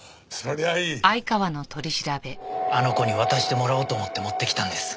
あの子に渡してもらおうと思って持ってきたんです。